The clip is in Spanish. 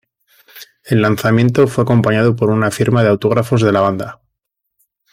El lanzamiento fue acompañado por una firma de autógrafos de la banda.